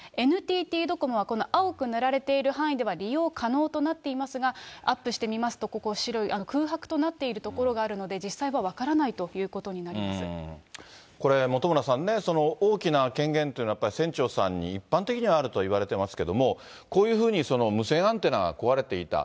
ＮＴＴドコモは、この青く塗られている範囲では利用可能となっていますが、アップしてみますと、ここ、白い空白となっている所があるので、実際は分からないということこれ、本村さんね、大きな権限というのは、やっぱり船長さんに、一般的にはあるといわれていますけれども、こういうふうに無線アンテナが壊れていた。